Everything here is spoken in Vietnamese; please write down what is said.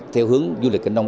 theo hướng du lịch kinh nông